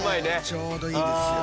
ちょうどいいですよね。